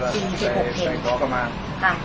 ไปขอเข้ามา